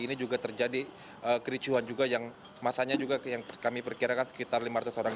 ini juga terjadi kericuhan juga yang masanya juga yang kami perkirakan sekitar lima ratus orang